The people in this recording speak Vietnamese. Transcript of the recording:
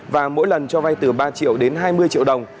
và mỗi lần cho vay từ ba triệu đến hai mươi triệu đồng